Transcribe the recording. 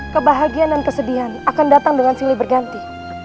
kebahagiaan dan kesedihan akan datang dengan silih berganti